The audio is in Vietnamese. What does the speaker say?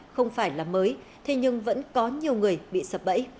không phải là mới thế nhưng vẫn có nhiều người bị sập bẫy